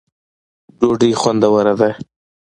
ډوډۍ خوندوره ده